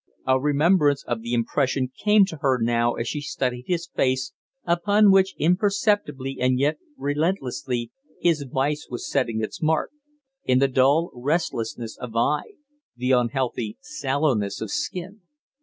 A remembrance of the impression came to her now as she studied his face, upon which imperceptibly and yet relentlessly his vice was setting its mark in the dull restlessness of eye, the unhealthy sallowness of skin.